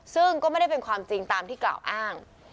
ซึ่งก็ไม่ได้เป็นความจริงตามที่กล่าวอ้าง